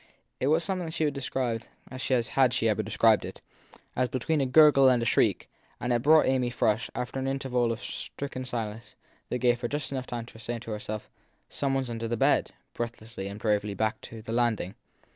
It was something she would have described, had she ever described it, as between a gurgle and a shriek, and it brought Amy Frush, after an interval of stricken stillness that gave her just time to say to herself Some one under her bed! breathlessly and bravely back to the landing.